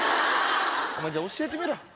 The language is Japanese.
お前じゃあ教えてみろ。